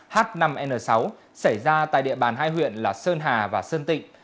h năm n sáu xảy ra tại địa bàn hai huyện là sơn hà và sơn tịnh